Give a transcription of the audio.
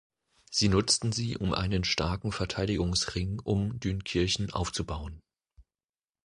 Sie nutzten sie, um einen starken Verteidigungsring um Dünkirchen aufzubauen.